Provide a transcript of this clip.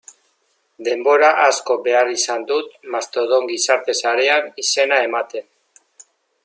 Denbora asko behar izan dut Mastodon gizarte sarean izena ematen.